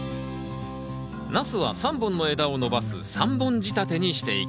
ナスは３本の枝を伸ばす３本仕立てにしていきます。